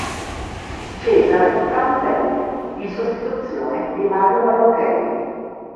Cesare Prandelli, in sostituzione di Mario Balotelli.